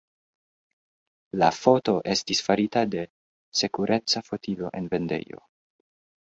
La foto estis farita de sekureca fotilo en vendejo.